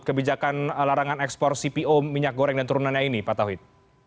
kebijakan larangan ekspor cpo minyak goreng dan turunannya ini pak tauhid